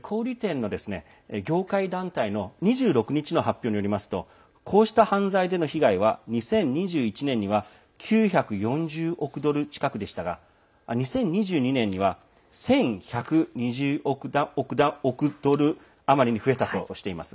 小売店の業界団体の２６日の発表によりますとこうした犯罪での被害は２０２１年には９４０億ドル近くでしたが２０２２年には１１２０億ドル余りに増えたとしています。